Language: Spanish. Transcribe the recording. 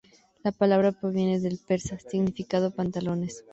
La palabra proviene del persa:شلوار, significando pantalones.